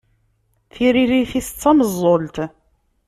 Tiririt-is d tameẓẓult.